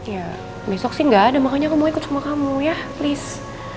ya besok sih gak ada makanya kamu mau ikut sama kamu ya please